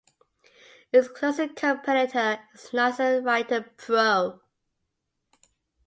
Its closest competitor is Nisus Writer Pro.